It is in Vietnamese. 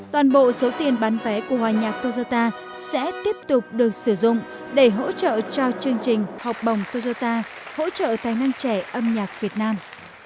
toàn bộ số tiền bán vé của hòa nhạc toyota sẽ tiếp tục được sử dụng để hỗ trợ cho chương trình học bồng toyota hỗ trợ tài năng trẻ âm nhạc việt nam